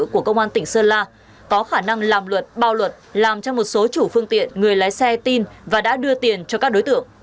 của công an tỉnh sơn la có khả năng làm luật bao luật làm cho một số chủ phương tiện người lái xe tin và đã đưa tiền cho các đối tượng